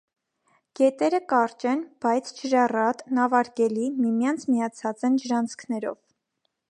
Գետերը կարճ են, բայց՝ ջրառատ, նավարկելի, միմյանց միացած են ջրանցքներով։